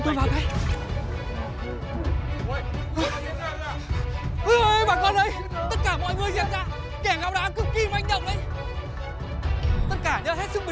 dạ dạ prince dumpling đi